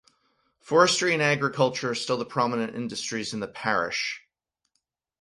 Forestry and agriculture are still the prominent industries in the parish.